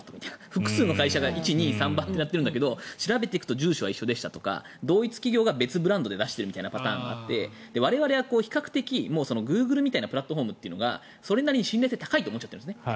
複数の会社が１、２、３番と出ているけど調べていくと住所は一緒でしたとか同一企業が別ブランドで出しているパターンがあって我々は比較的グーグルみたいなプラットフォームが信頼性が高いと思っちゃってるんですね。